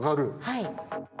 はい。